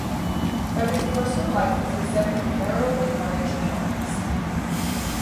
Frederick's personal life was beset with marital and financial problems.